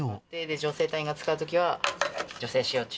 女性隊員が使うときは女性使用中。